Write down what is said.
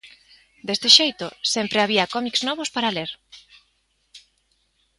Deste xeito, sempre había cómics novos para ler.